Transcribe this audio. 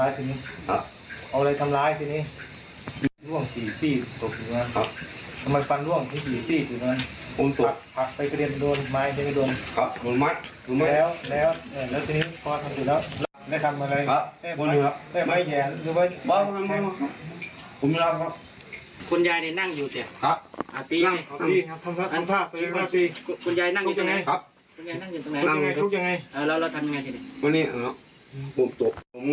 ภายยาฟฟังเขาก็พูดไม่รู้เรื่อง